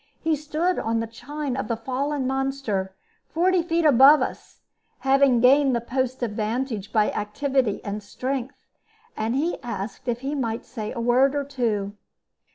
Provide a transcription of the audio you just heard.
He stood on the chine of the fallen monster, forty feet above us, having gained the post of vantage by activity and strength, and he asked if he might say a word or two.